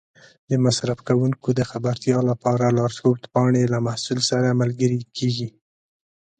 د مصرف کوونکو د خبرتیا لپاره لارښود پاڼې له محصول سره ملګري کېږي.